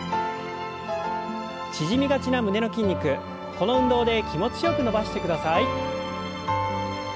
縮みがちな胸の筋肉この運動で気持ちよく伸ばしてください。